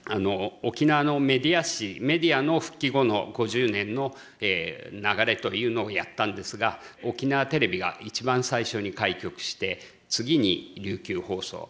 史メディアの復帰後の５０年の流れというのをやったんですが沖縄テレビが一番最初に開局して次に琉球放送。